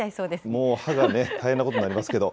もう歯がね、大変なことになりますけど。